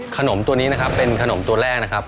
ขนมตัวนี้นะครับเป็นขนมตัวแรกนะครับ